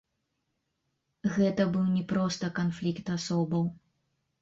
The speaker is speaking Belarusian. Гэта быў не проста канфлікт асобаў.